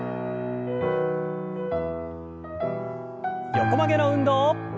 横曲げの運動。